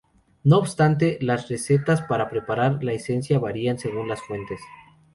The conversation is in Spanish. No obstante, las recetas para preparar la esencia varían según las fuentes.